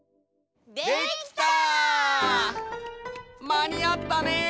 まにあったね。